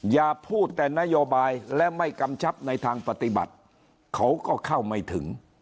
อย่าพูดแต่นโยบายและไม่กำชับในทางปฏิบัติเขาก็เข้าไม่ถึง